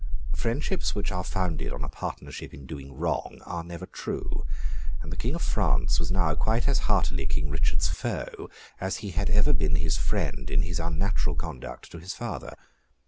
Friendships which are founded on a partnership in doing wrong, are never true; and the King of France was now quite as heartily King Richard's foe, as he had ever been his friend in his unnatural conduct to his father.